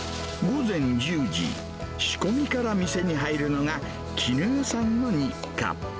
午前１０時、仕込みから店に入るのが、絹代さんの日課。